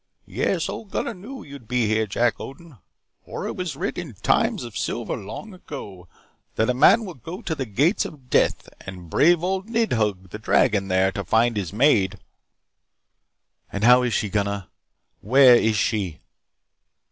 "Yes, Old Gunnar knew you would be here, Jack Odin, for it was writ in runes of silver long ago that a man will go to the gates of death and brave Old Nidhug the dragon there to find his maid." "And how is she, Gunnar? Where is she?"